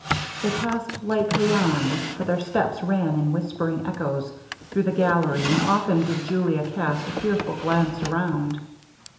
They passed lightly on, for their steps ran in whispering echoes through the gallery, and often did Julia cast a fearful glance around.